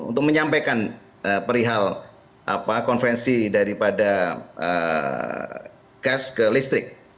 untuk menyampaikan perihal konvensi daripada gas ke listrik